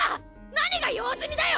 何が用済みだよ！